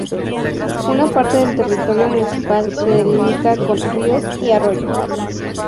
Una parte del territorio municipal se delimita con ríos y un arroyo.